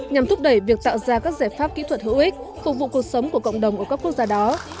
nhằm thúc đẩy việc tạo ra các giải pháp kỹ thuật hữu ích phục vụ cuộc sống của cộng đồng ở các quốc gia đó